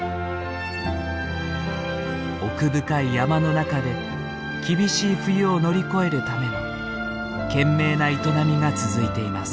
奥深い山の中で厳しい冬を乗り越えるための懸命な営みが続いています。